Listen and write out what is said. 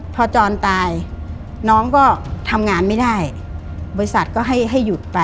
พอจรตายน้องก็ทำงานไม่ได้บริษัทก็ให้หยุดไป